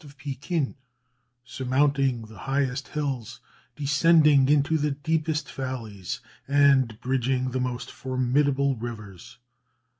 of Pekin, surmounting the highest hills, descending into the deepest valleys, and bridging the most formidable rivers.